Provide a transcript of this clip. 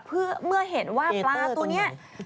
เมื่อเห็นว่าปลาตัวนี้